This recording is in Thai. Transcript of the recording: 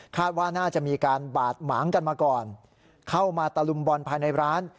ว่าน่าจะมีการบาดหมางกันมาก่อนเข้ามาตะลุมบอลภายในร้าน